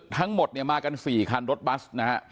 ทั้งหมดมากัน๔คันรถบัส